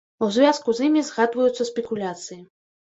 У звязку з імі згадваюцца спекуляцыі.